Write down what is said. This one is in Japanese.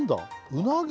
うなぎ？